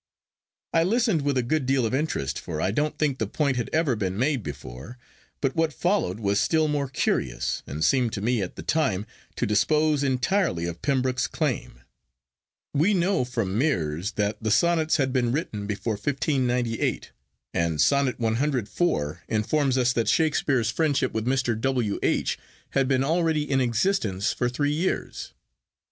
I listened with a good deal of interest, for I don't think the point had ever been made before; but what followed was still more curious, and seemed to me at the time to dispose entirely of Pembroke's claim. We know from Meres that the Sonnets had been written before 1598, and Sonnet CIV. informs us that Shakespeare's friendship for Mr. W. H. had been already in existence for three years.